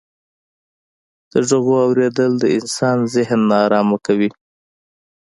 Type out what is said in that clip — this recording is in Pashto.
د ږغو اورېدل د انسان ذهن ناآرامه کيي.